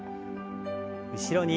後ろに。